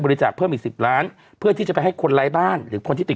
บริจาคเพิ่มอีก๑๐ล้านเพื่อที่จะไปให้คนร้ายบ้านหรือคนที่